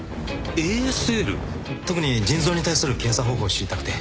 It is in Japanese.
特に腎臓に対する検査方法を知りたくて。